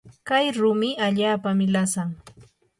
kay rumi allaapami lasan.